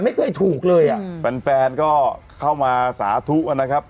ไม่เคยถูกเลยอ่ะแฟนแฟนก็เข้ามาสาธุนะครับ